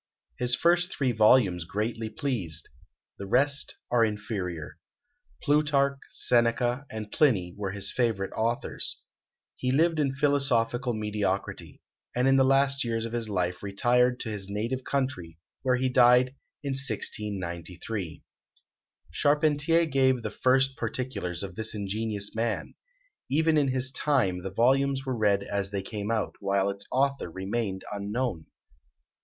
His first three volumes greatly pleased: the rest are inferior. Plutarch, Seneca, and Pliny, were his favourite authors. He lived in philosophical mediocrity; and in the last years of his life retired to his native country, where he died in 1693. Charpentier gave the first particulars of this ingenious man. Even in his time the volumes were read as they came out, while its author remained unknown.